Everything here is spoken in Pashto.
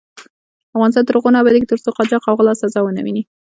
افغانستان تر هغو نه ابادیږي، ترڅو قاچاق او غلا سزا ونه ويني.